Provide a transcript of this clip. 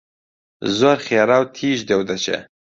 زۆر خێرا و تیژ دێ و دەچێ